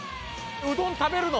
うどん食べるの？